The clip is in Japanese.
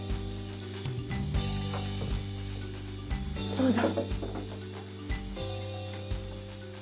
どうぞ。